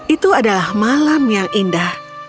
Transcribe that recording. itu adalah malam yang indah